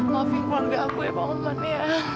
maafin keluarga aku ya pak oman ya